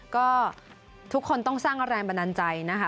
ก็ทุกคนต้องสร้างแรงบันดาลใจนะคะ